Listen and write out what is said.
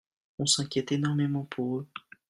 On s'inquiète énormément pour eux.